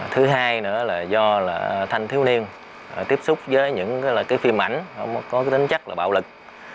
thứ hai nữa là do thanh thiếu niên tiếp xúc với những cái phim ảnh có tính chất là bạo lực